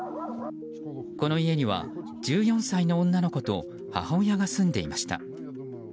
この家には、１４歳の女の子と母親が住んでいました。